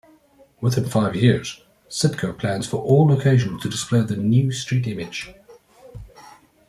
Within five years, Citgo plans for all locations to display the new street image.